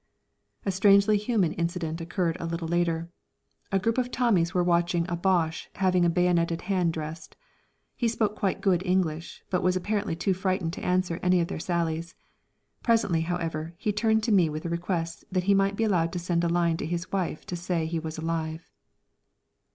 A strangely human incident occurred a little later. A group of Tommies were watching a Boche having a bayoneted hand dressed. He spoke quite good English, but was apparently too frightened to answer any of their sallies. Presently, however, he turned to me with a request that he might be allowed to send a line to his wife to say he was alive.